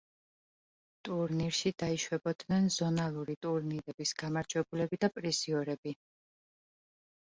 ტურნირში დაიშვებოდნენ ზონალური ტურნირების გამარჯვებულები და პრიზიორები.